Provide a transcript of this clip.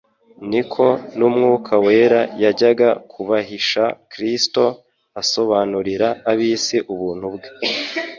niko n'Umwuka wera yajyaga kubahisha Kristo, asobanurira ab'isi ubuntu bwe.